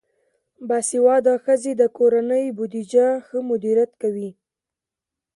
باسواده ښځې د کورنۍ بودیجه ښه مدیریت کوي.